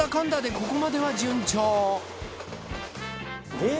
ここまでは順調。